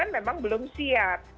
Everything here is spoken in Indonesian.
memang belum siap